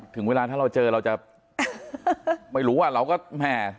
ถึงเวลาถ้าเราเจอเราจะไม่รู้อ่ะเราก็แหม่